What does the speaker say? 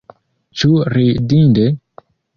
Ĉu ridinde?